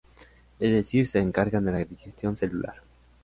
Es decir, se encargan de la digestión celular.